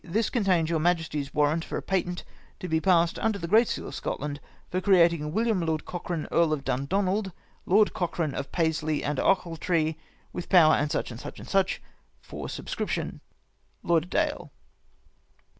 — This contains your Ma jesty's warrant for a patent to be passed under the great seal of Scotland, for creating William Lord Cochrane Earl of Dundonald, Lord Cochrane of Paisley and Ochiltree, with power, &c. &c. &c. For subscription. " Lauderdaill."